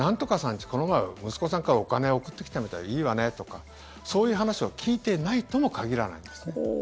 ちこの前、息子さんからお金送ってきたみたいでいいわねとかそういう話を聞いていないとも限らないんですね。